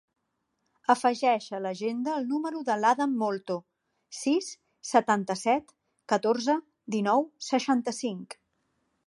Afegeix a l'agenda el número de l'Adam Molto: sis, setanta-set, catorze, dinou, seixanta-cinc.